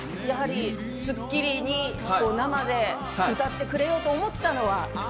やはり『スッキリ』に生で歌ってくれようと思ったのは？